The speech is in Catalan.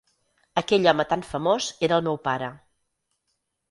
Aquell home tan famós era el meu pare.